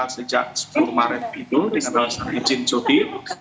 sejak sepuluh maret itu dengan alasan izin cuti